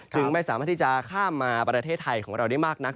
ไม่สามารถที่จะข้ามมาประเทศไทยของเราได้มากนัก